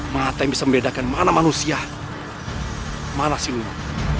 mata yang bisa membedakan mana manusia mana si luna